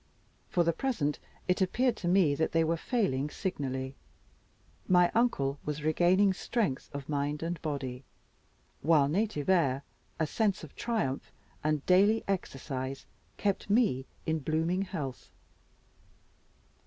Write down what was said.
For the present it appeared to me that they were failing signally. My uncle was regaining strength of mind and body; while native air, a sense of triumph, and daily exercise, kept me in blooming health.